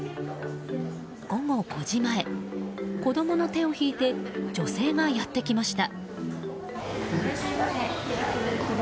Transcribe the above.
午後５時前子供の手を引いて女性がやってきました。